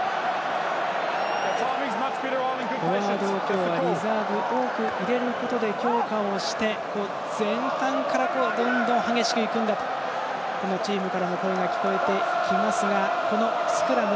フォワードをリザーブを多く入れることで強化をして前半からどんどん激しくいくんだというこのチームからの声が聞こえてきますがこのスクラム